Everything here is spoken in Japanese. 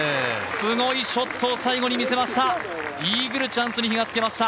すごいショットを最後に見せました。